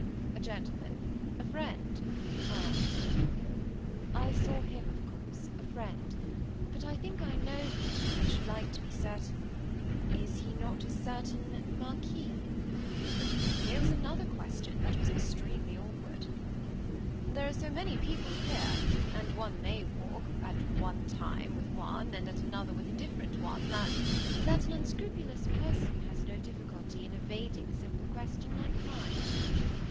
"A gentleman, a friend," I answered. "I saw him, of course, a friend; but I think I know him, and should like to be certain. Is he not a certain Marquis?" Here was another question that was extremely awkward. "There are so many people here, and one may walk, at one time with one, and at another with a different one, that " "That an unscrupulous person has no difficulty in evading a simple question like mine.